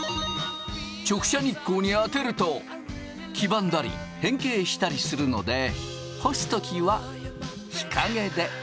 直射日光に当てると黄ばんだり変形したりするので干す時は日陰で。